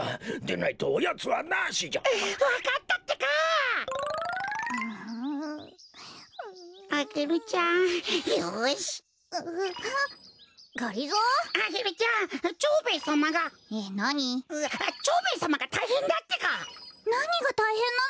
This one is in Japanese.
なにがたいへんなのよ？